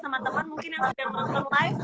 teman teman mungkin yang udah nonton live